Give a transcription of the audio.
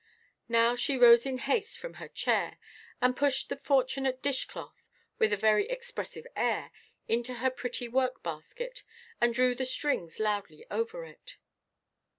Now she rose in haste from her chair, and pushed the fortunate dish–cloth, with a very expressive air, into her pretty work–basket, and drew the strings loudly over it.